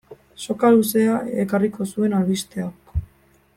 Soka luzea ekarriko zuen albisteak.